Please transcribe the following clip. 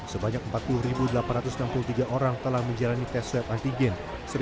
sebanyak empat puluh delapan ratus enam puluh tiga orang telah menjalani tes swab antigen